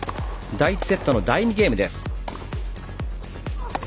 第１セットの第２ゲームです。